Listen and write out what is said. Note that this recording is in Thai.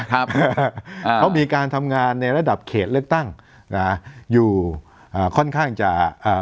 อ่าเขามีการทำงานในระดับเขตเลือกตั้งนะฮะอยู่อ่าค่อนข้างจะอ่า